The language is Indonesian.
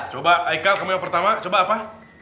coba ikal kamu yang pertama coba apa